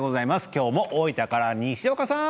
今日も大分から西岡さん。